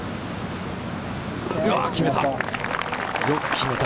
決めた！